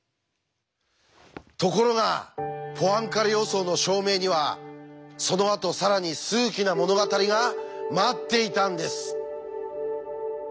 ところがポアンカレ予想の証明にはそのあと更に数奇な物語が待っていたんです。